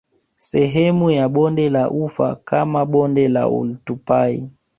Sehemu ya Bonde la Ufa kama Bonde la Oltupai